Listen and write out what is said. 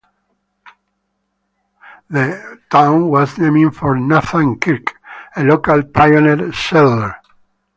The town was named for Nathan Kirk, a local pioneer settler.